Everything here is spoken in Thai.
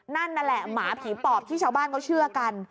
นั่นแหละหมาผีปอบที่ชาวบ้านเขาเชื่อกัน